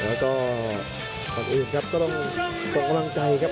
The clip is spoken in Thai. แล้วก็ก่อนอื่นครับก็ต้องส่งกำลังใจครับ